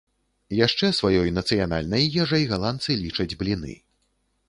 Яшчэ сваёй нацыянальнай ежай галандцы лічаць бліны.